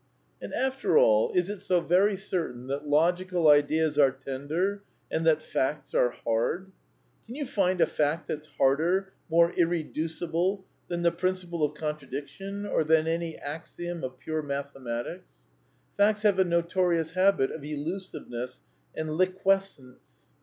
And after all, is it so very certain that logical ideas are tender and that facts are hard ? Can you find a fact that's harder, more irreducible, than the principle of con tradiction, or than any axiom of pure mathematics ? Facts have a notorious habit of elusiveness and liquescence.